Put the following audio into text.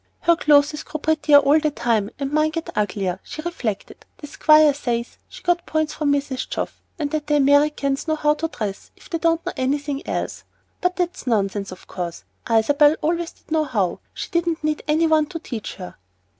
"Her clothes grow prettier all the time, and mine get uglier," she reflected. "The Squire says she got points from Mrs. Geoff, and that the Americans know how to dress if they don't know anything else; but that's nonsense, of course, Isabel always did know how; she didn't need any one to teach her."